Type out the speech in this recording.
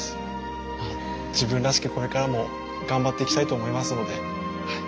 まあ自分らしくこれからも頑張っていきたいと思いますのではい